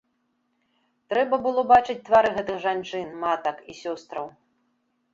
Трэба было бачыць твары гэтых жанчын, матак і сёстраў.